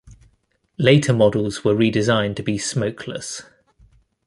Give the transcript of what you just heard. Later models were redesigned to be "smokeless".